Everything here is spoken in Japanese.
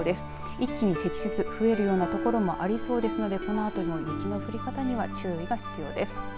一気に積雪、増えるような所もありそうですのでこのあとの雪の降り方には注意が必要です。